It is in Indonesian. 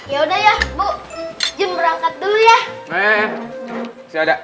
ya udah ya bu jun berangkat dulu ya